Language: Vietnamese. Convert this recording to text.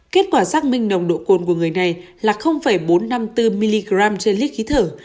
kết quả xác minh nồng độ cồn của người này là bốn trăm năm mươi bốn mg trên lít khí thở